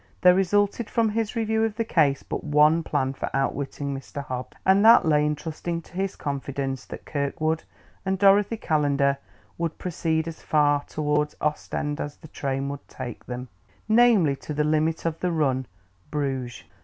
There resulted from his review of the case but one plan for outwitting Mr. Hobbs, and that lay in trusting to his confidence that Kirkwood and Dorothy Calendar would proceed as far toward Ostend as the train would take them namely, to the limit of the run, Bruges.